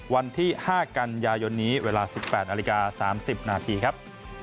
วันที่๕กันยายนนี้เวลา๑๘นาฬิกา๓๐นาทีครับ